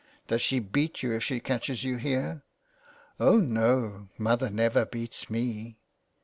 '' Does she beat you if she catches you here ?"Oh, no, mother never beats me."